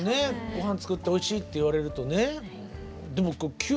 ごはん作っておいしいって言われるとね。